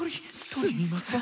すみません。